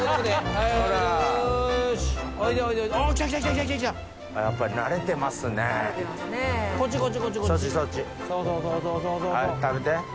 はい食べて。